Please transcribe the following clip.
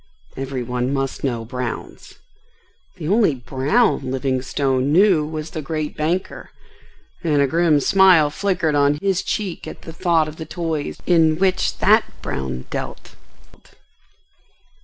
Every one must know "Brown's." The only "Brown" Livingstone knew was the great banker, and a grim smile flickered on his cheek at the thought of the toys in which that Brown dealt.